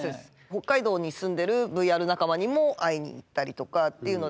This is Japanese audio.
北海道に住んでるＶＲ仲間にも会いに行ったりとかっていうので。